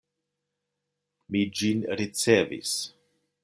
Mi ĝin ricevis.